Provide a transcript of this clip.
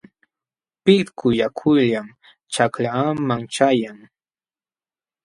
Pitku yakullam ćhaklaaman ćhayan.